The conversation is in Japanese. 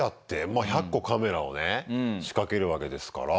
まあ１００個カメラをね仕掛けるわけですから。